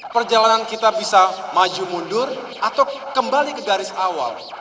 perjalanan kita bisa maju mundur atau kembali ke garis awal